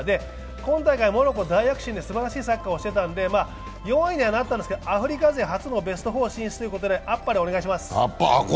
今大会モロッコ、大躍進ですばらしいサッカーをしていたので４位にはなったんですがアフリカ勢初のベスト４進出であっぱれお願いします。